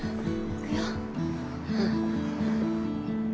行くよ。